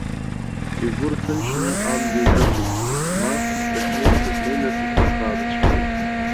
Игәы рҭынчны амҩа дықәуп, ма, дахьнеиша днеины, дҭаҳәахаа дыцәахьеит.